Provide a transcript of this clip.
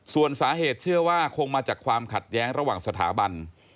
ส่วนสาเหตุเชื่อว่าคงมาจากความขัดแย้งระหว่างสถาบัน